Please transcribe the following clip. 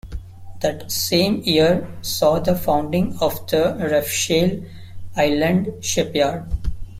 That same year saw the founding of the Refshale Island shipyard.